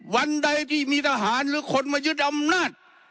วันใดที่มีทหารหรือคนมายึดอำนาจ